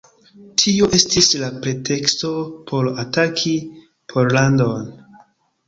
Tio estis la preteksto por ataki Pollandon.